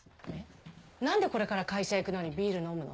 何でこれから会社行くのにビール飲むの？